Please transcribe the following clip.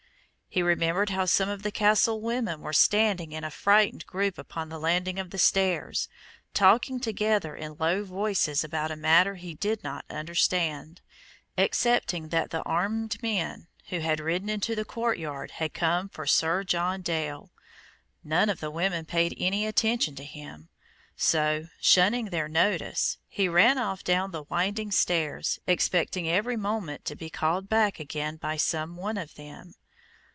He remembered how some of the castle women were standing in a frightened group upon the landing of the stairs, talking together in low voices about a matter he did not understand, excepting that the armed men who had ridden into the courtyard had come for Sir John Dale. None of the women paid any attention to him; so, shunning their notice, he ran off down the winding stairs, expecting every moment to be called back again by some one of them.